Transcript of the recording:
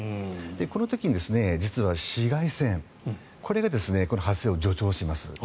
この時に実は紫外線これが発生を助長します。